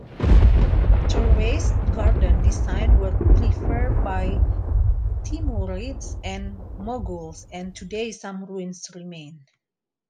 Terraced garden designs were preferred by Timurids and Moguls, and today some ruins remain.